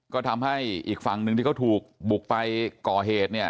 ก็ทำให้อีกฝั่งหนึ่งที่เขาถูกบุกไปก่อเหตุเนี่ย